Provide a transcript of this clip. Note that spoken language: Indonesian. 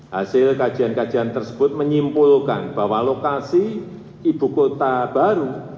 hasil kajian kajian tersebut menyimpulkan bahwa lokasi ibu kota baru